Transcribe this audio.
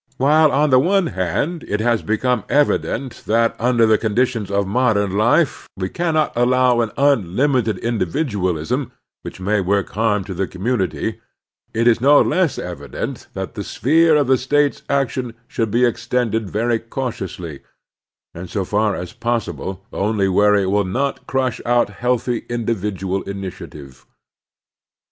While on the one hand it has become evident that imder the conditions of modem life we cannot allow an unlimited individualism, which may work harm to the commtmity, it is no less evident that the sphere of the State's action should be extended very cautiously, and so far as possible only where it will not crush out healthy individual initiative.